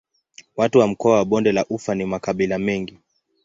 Watu wa mkoa wa Bonde la Ufa ni wa makabila mengi.